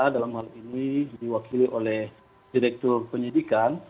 dalam hal ini diwakili oleh direktur penyidikan